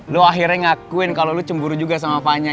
lu akhirnya ngakuin kalo lu cemburu juga sama vanya